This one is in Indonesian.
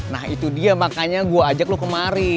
nah itu dia makanya gue ajak lo kemari